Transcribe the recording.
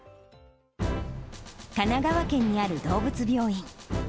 神奈川県にある動物病院。